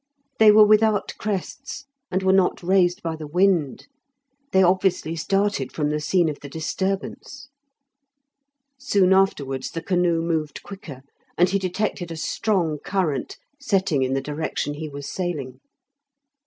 They were without crests, and were not raised by the wind; they obviously started from the scene of the disturbance. Soon afterwards the canoe moved quicker, and he detected a strong current setting in the direction he was sailing.